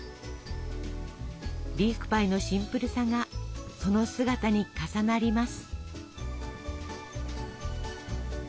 リーフパイのシンプルさがその姿に重なります。